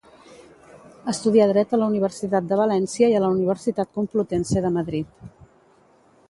Estudià dret a la Universitat de València i a la Universitat Complutense de Madrid.